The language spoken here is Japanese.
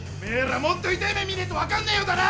らもっと痛い目見ねえと分かんねえようだな。